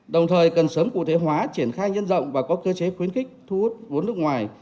đồng thời cần sớm cụ thể hóa triển khai nhân rộng và có cơ chế khuyến khích thu hút vốn nước ngoài